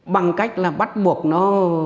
bằng cách là bắt buộc nó